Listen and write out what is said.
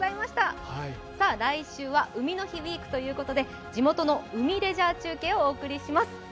来週は海の日ウィークということで地元の海レジャー中継をお送りします。